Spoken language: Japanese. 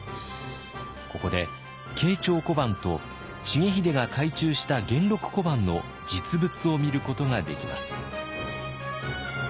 ここで慶長小判と重秀が改鋳した元禄小判の実物を見ることができます。